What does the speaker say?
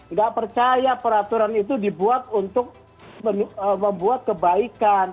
nggak percaya peraturan itu dibuat untuk membuat kebaikan